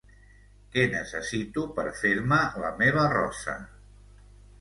Què necessito per fer-me la meva rosa?